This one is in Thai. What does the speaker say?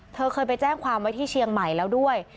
เธอเคยไปแจ้งความไว้ที่เชียงใหม่แล้วด้วย